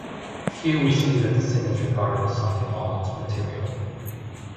Here we see that sin is regarded as something almost material.